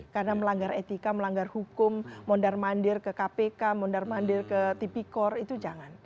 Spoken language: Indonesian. karena melanggar etika melanggar hukum mondar mandir ke kpk mondar mandir ke tipi kor itu jangan